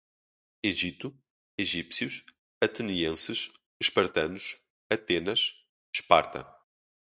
Egito, egípcios, atenienses, espartanos, Atenas, Esparta